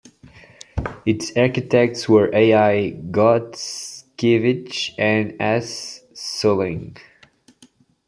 Its architects were A. I. Gontskevich and S. Sulin.